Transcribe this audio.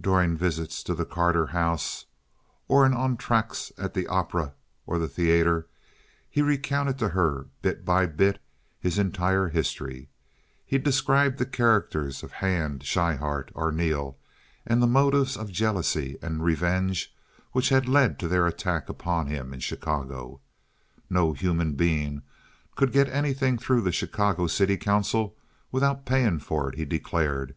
During visits to the Carter house or in entr'actes at the opera or the theater, he recounted to her bit by bit his entire history. He described the characters of Hand, Schryhart, Arneel, and the motives of jealousy and revenge which had led to their attack upon him in Chicago. "No human being could get anything through the Chicago City Council without paying for it," he declared.